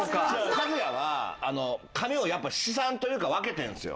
和也は髪をやっぱ七三というか分けてるんですよ。